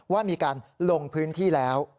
ว่ามีการลงพื้นที่แล้ว